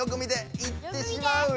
行ってしまうよ。